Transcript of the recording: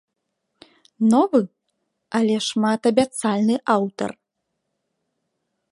Новы, але шматабяцальны аўтар.